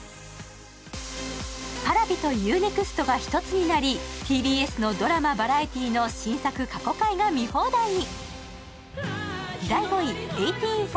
ＰａｒａｖｉとＵ−ＮＥＸＴが１つになりＴＢＳのドラマ、バラエティーの新作・過去回が見放題に。